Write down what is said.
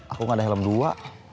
aku gak ada helm dua